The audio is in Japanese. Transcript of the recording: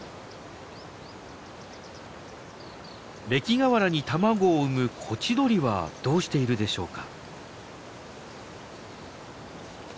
礫河原に卵を産むコチドリはどうしているでしょうか？